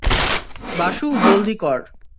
বাসু জলদি কর।